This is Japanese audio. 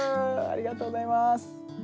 ありがとうございます。